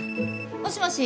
もしもし？